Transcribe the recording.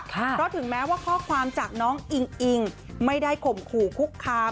เพราะถึงแม้ว่าข้อความจากน้องอิงอิงไม่ได้ข่มขู่คุกคาม